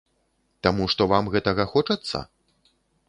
Таму што вам гэтага хочацца?